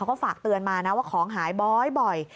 ก็ฝากเตือนมานะว่าของหายบ่อย